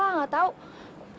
gak tau lah gak tau lah